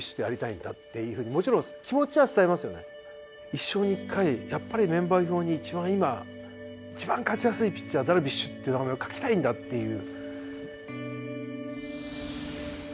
一生に一回やっぱりメンバー表に一番今一番勝ちやすいピッチャー「ダルビッシュ」って名前を書きたいんだっていう。